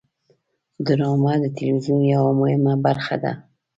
ډرامه د تلویزیون یوه مهمه برخه ده